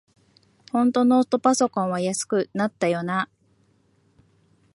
ほんとノートパソコンは安くなったよなあ